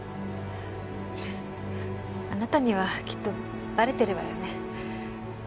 あなたにはきっとバレてるわよね？